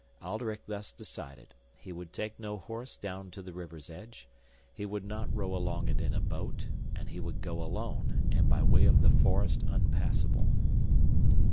Alderic thus decided: he would take no horse down to the river's edge, he would not row along it in a boat, and he would go alone and by way of the Forest Unpassable.